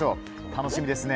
楽しみですね。